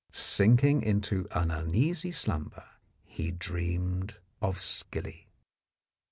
Sinking into an uneasy slumber, he dreamed of skilly.